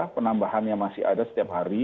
penambahan yang masih ada setiap hari